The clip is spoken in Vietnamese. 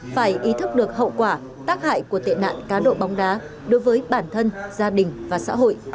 phải ý thức được hậu quả tác hại của tệ nạn cá độ bóng đá đối với bản thân gia đình và xã hội